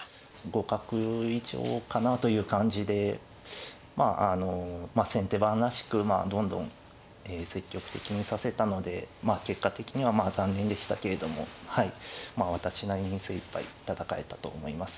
互角以上かなという感じでまああの先手番らしくどんどん積極的に指せたのでまあ結果的には残念でしたけれども私なりに精いっぱい戦えたと思います。